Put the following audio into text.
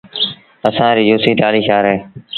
اسآݩ ريٚ يوسي ٽآلهيٚ شآهر اهي